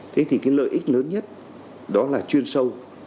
thế thì cái lợi ích lớn nhất đó là chuyên sâu